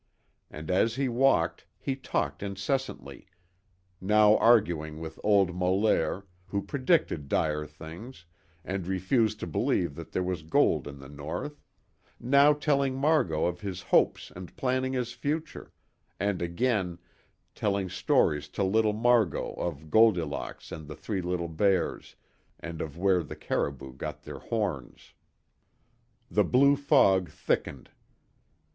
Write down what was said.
And as he walked, he talked incessantly now arguing with old Molaire, who predicted dire things, and refused to believe that there was gold in the North now telling Margot of his hopes and planning his future and again, telling stories to little Margot of Goldilocks and the three little bears, and of where the caribou got their horns. The blue fog thickened.